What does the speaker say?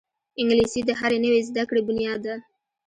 انګلیسي د هرې نوې زده کړې بنیاد ده